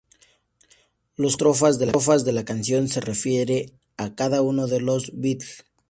Las cuatro estrofas de la canción se refieren a cada uno de los Beatles.